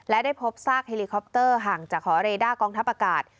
และได้พบซากเฮลิคอปเตอร์ห่างจากหอเรด้ากองทัพอากาศ